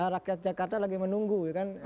rakyat jakarta lagi menunggu ya kan